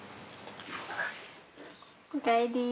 おかえりー。